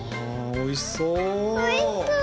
おいしそう！